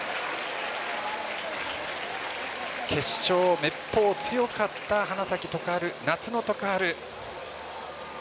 決勝めっぽう強かった花咲徳栄、夏の徳栄。